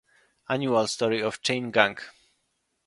Annual story The Chain Gang.